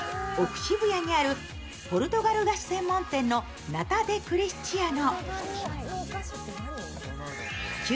渋谷にあるポルトガル菓子専門店のナタデクリスチアノ。